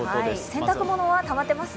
洗濯物はたまってます？